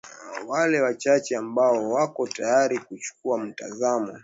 Wale wachache ambao wako tayari kuchukua mtazamo